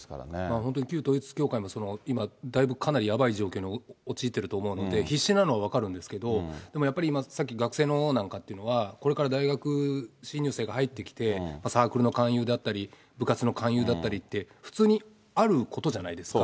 本当に、旧統一教会も今、だいぶかなりやばい状況に陥ってると思うので、必死なのは分かるんですけど、でもやっぱり、今、学生のなんかって、これから大学、新入生が入ってきて、サークルの勧誘であったり、部活の勧誘だったりって、普通にあることじゃないですか。